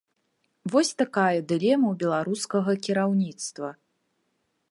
Вось такая дылема ў беларускага кіраўніцтва.